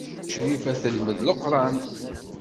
Crifa telmed Leqran.